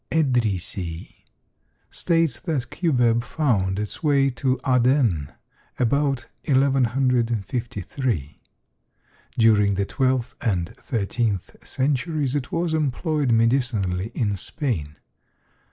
Edrisi states that cubeb found its way to Aden about 1153. During the twelfth and thirteenth centuries it was employed medicinally in Spain.